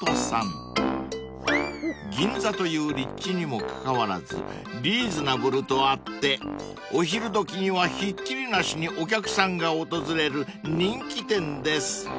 ［銀座という立地にもかかわらずリーズナブルとあってお昼時にはひっきりなしにお客さんが訪れる人気店です］